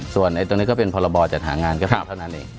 ส่วนตรงนี้ก็เป็นพรบจัดหางานก็คือเท่านั้นเอง